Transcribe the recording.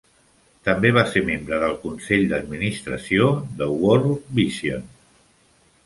També va ser membre del consell d'administració de World Vision.